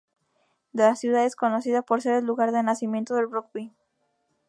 La ciudad es conocida por ser el lugar de nacimiento del rugby.